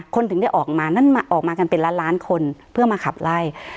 ถึงได้ออกมานั่นออกมากันเป็นล้านล้านคนเพื่อมาขับไล่